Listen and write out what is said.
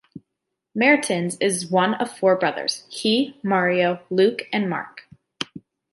Maertens is one of four brothers: he, Mario, Luc and Marc.